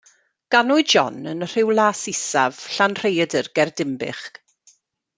Ganwyd John yn Rhiwlas Isaf, Llanrhaeadr, ger Dinbych.